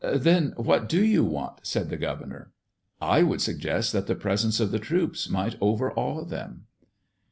"Then what do you want?" said the governor. "I would suggest that the presence of the troops might overawe them."